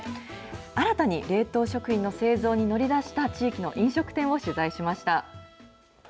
新たに冷凍食品の製造に乗り出した地域の飲食店を取材しました。